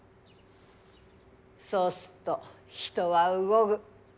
そうすっと、人は動ぐ。